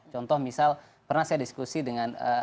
contoh misal pernah saya diskusi dengan